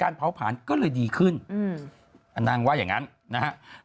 การเผาผลาญก็เลยดีขึ้นนางว่ายังงั้นนะฮะ